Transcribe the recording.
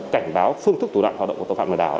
cảnh báo phương thức tù đoạn hoạt động của tổng phạm lừa đảo